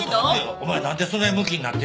お前何でそんなにむきになってんねん。